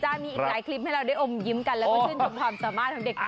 มีอีกหลายคลิปให้เราได้อมยิ้มกันแล้วก็ชื่นชมความสามารถของเด็ก